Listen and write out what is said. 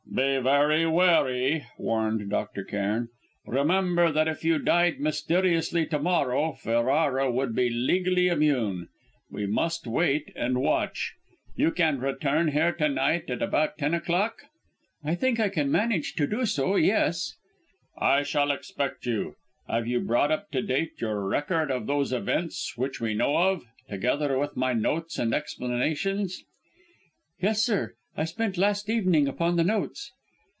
"Be very wary," warned Dr. Cairn. "Remember that if you died mysteriously to morrow, Ferrara would be legally immune. We must wait, and watch. Can you return here to night, at about ten o'clock?" "I think I can manage to do so yes." "I shall expect you. Have you brought up to date your record of those events which we know of, together with my notes and explanations?" "Yes, sir, I spent last evening upon the notes."